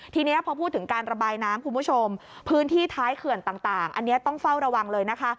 ทีนี้พอพูดถึงการระบายน้ำคุณผู้ชมพื้นที่ท้ายเขื่อนต่างอันนี้ต้องเฝ้าระวังเลยนะคะ